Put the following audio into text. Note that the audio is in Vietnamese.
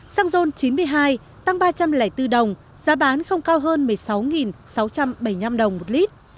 xăng ron chín mươi hai tăng ba trăm linh bốn đồng giá bán không cao hơn một mươi sáu sáu trăm bảy mươi năm đồng một lít